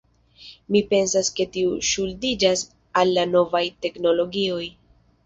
Mi pensas ke tio ŝuldiĝas al la novaj teknologioj.